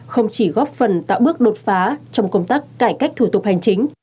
không chỉ góp phần tạo bước đột phá trong công tác cải cách thủ tục hành chính